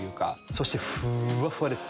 そしてふわふわです！